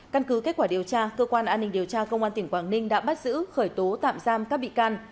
căn cứ kết quả điều tra cơ quan an ninh điều tra công an tỉnh quảng ninh đã bắt giữ khởi tố tạm giam các bị can